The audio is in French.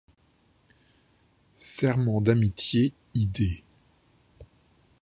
Serment d’amitié id.